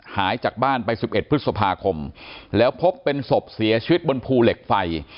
หายจากบ้านไป๑๑พฤษภาคมแล้วพบเป็นศพเสียชีวิตบนภูเหล็กไฟ